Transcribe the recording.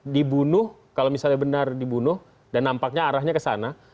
dibunuh kalau misalnya benar dibunuh dan nampaknya arahnya ke sana